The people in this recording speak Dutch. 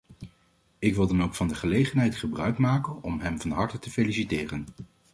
Ik wil dan ook van de gelegenheid gebruikmaken om hem van harte te feliciteren.